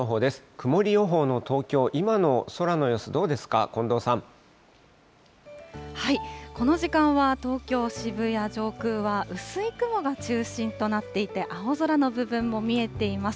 曇り予報の東京、今の空の様子、この時間は東京・渋谷上空は、薄い雲が中心となっていて、青空の部分も見えています。